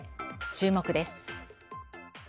注目です。